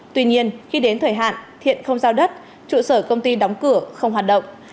tuy nhiên khi đến thời hạn thiện không giao đất trụ sở công ty đóng cửa không hoạt động